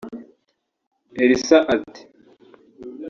Elsa ati